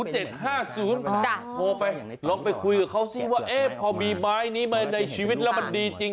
โทรไปลองไปคุยกับเขาสิว่าพอมีไม้นี้มาในชีวิตแล้วมันดีจริง